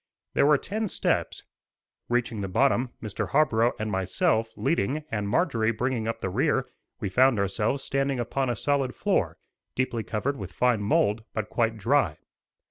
There were ten steps. Reaching the bottom, Mr. Harborough and myself leading and Marjorie bringing up the rear, we found ourselves standing upon a solid floor, deeply covered with fine mould, but quite dry.